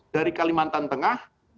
dari kalimantan timur